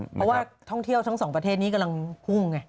เพราะว่าท่องเที่ยวทั้งสองประเทศนี้กำลังพุ่งไง